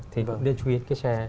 thì cũng nên chú ý cái xe